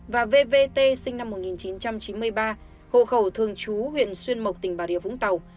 và vvt sinh năm một nghìn chín trăm chín mươi ba hộ khẩu thường trú huyện xuyên mộc tỉnh bà rịa vũng tàu